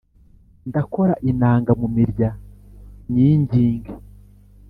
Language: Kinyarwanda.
Ndakora inanga mu mirya nyinginge